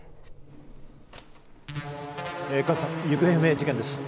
加藤さん、行方不明事件です。